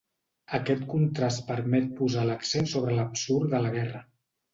Aquest contrast permet posar l'accent sobre l'absurd de la guerra.